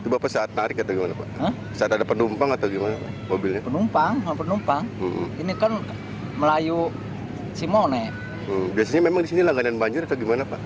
biasanya memang disini langganan banjir atau gimana pak